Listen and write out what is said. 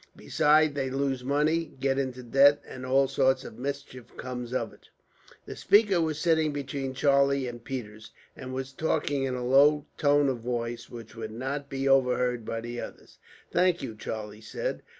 Besides, they lose money, get into debt, and all sorts of mischief comes of it." The speaker was sitting between Charlie and Peters, and was talking in a tone of voice which would not be overheard by the others. "Thank you," Charlie said.